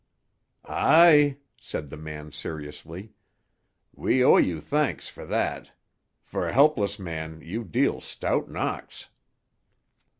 "Aye," said the man seriously, "we owe you thanks for that. For a helpless man, you deal stout knocks."